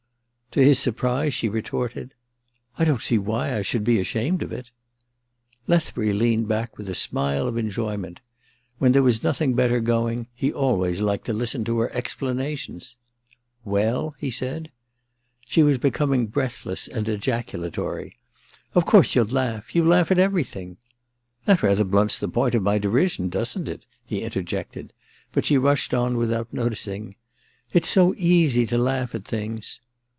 To his surprise she retorted :* I don't sec why I should be ashamed of it !' Lethbury leaned back with a smile of enjoy ment. When there was nothing better going he always liked to listen to her explanations. < Well f ' he said. She was becoming breathless and ejaculatory. *0f course you'll laugh — ^you laugh at every thing !'* That rather blunts the point of my derision, doesn't it ?' he interjected ; but she pushed on without noticing :* It's so easy to laugh at things.'